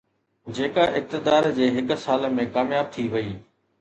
جيڪا اقتدار جي هڪ سال ۾ ڪامياب ٿي وئي